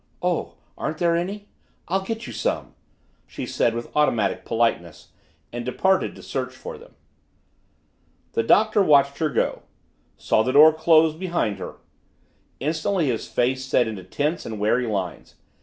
"Oh, aren't there any? I'll get you some," she said with automatic politeness, and departed to search for them. The Doctor watched her go saw the door close behind her. Instantly his face set into tense and wary lines.